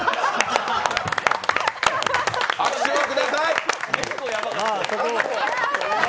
拍手をください。